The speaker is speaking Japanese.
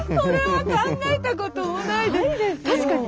それは考えたこともないです！